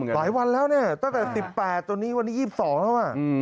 หลายวันแล้วเนี่ยตั้งแต่๑๘วันนี้๒๒แล้ว